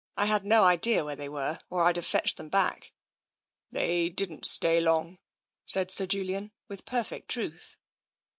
I had no idea where they were, or I'd have fetched them back." " They didn't stay long," said Sir Julian, with per fect truth.